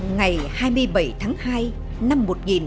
ngày hai mươi bảy tháng hai năm một nghìn chín trăm bảy mươi